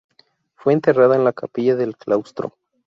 Fue enterrada en la capilla del claustro.